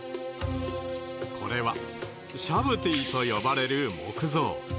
これはシャブティと呼ばれる木像。